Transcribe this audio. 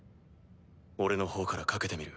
俺の方から掛けてみる。